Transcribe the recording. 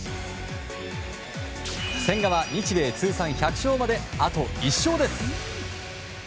千賀は日米通算１００勝まであと１勝です。